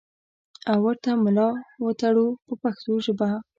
او ورته ملا وتړو په پښتو ژبه.